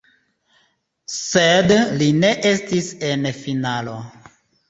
Sed li ne estis en finalo.